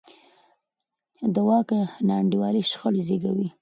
د واک ناانډولي شخړې زېږوي